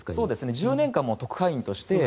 １０年間、特派員として。